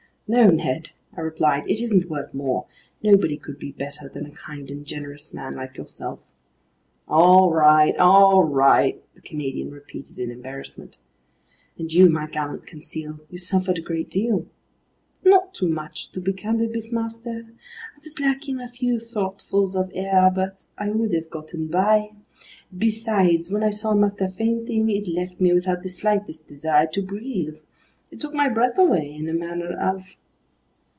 "No, Ned," I replied, "it isn't worth more. Nobody could be better than a kind and generous man like yourself!" "All right, all right!" the Canadian repeated in embarrassment. "And you, my gallant Conseil, you suffered a great deal." "Not too much, to be candid with master. I was lacking a few throatfuls of air, but I would have gotten by. Besides, when I saw master fainting, it left me without the slightest desire to breathe. It took my breath away, in a manner of